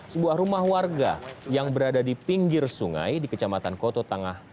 sebuah rumah warga yang berada di pinggir sungai di kecamatan koto tangah